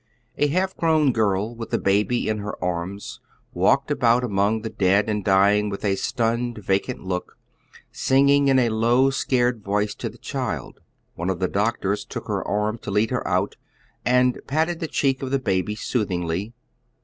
A half grown girl with a baby in her arms walked about among the dead and dying with a stunned, vacant look, singing in a low, scared voice to the child. One of the doctors took her arm to lead her out, and patted the cbeek of the baby soothingly.